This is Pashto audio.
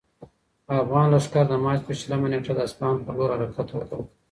افغان لښکر د مارچ په شلمه نېټه د اصفهان پر لور حرکت وکړ.